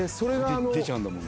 で出ちゃうんだもんな。